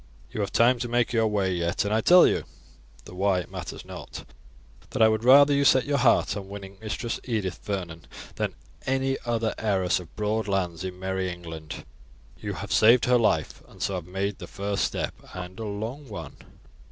You have time to make your way yet, and I tell you, though why it matters not, that I would rather you set your heart on winning Mistress Edith Vernon than any other heiress of broad lands in merry England. You have saved her life, and so have made the first step and a long one.